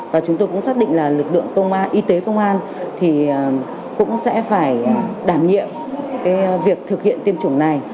và chúng tôi cũng xác định là lực lượng y tế công an thì cũng sẽ phải đảm nhiệm việc thực hiện tiêm chủng này